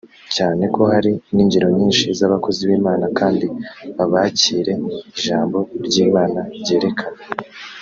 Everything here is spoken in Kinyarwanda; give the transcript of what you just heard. cyane ko hari n’ingero nyinshi z’abakozi b’Imana kandi b’abakire ijambo ry’Imana ryerekana